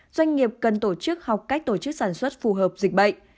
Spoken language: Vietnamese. doanh nghiệp cần tổ chức học cách tổ chức sản xuất phù hợp dịch bệnh